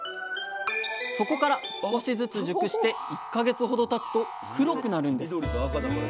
そこから少しずつ熟して１か月ほどたつと黒くなるんです。